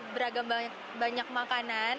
beragam banyak makanan